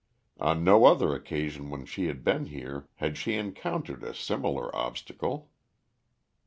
On no other occasion when she had been here had she encountered a similar obstacle.